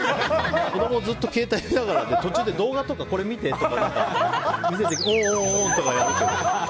子供はずっと携帯見ながら途中で動画とかこれ見てとか見せてきておおとかやるけど。